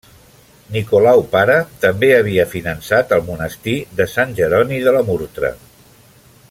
Nicolau pare també havia finançat el monestir de Sant Jeroni de la Murtra.